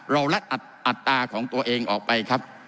รัดอัตราของตัวเองออกไปครับ